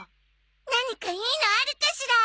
何かいいのあるかしら？